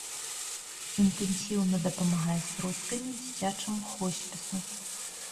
Інтэнсіўна дапамагае сродкамі дзіцячаму хоспісу.